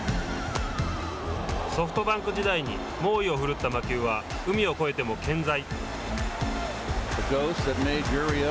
ソフトバンク時代に猛威を振るった魔球は海を越えても健在。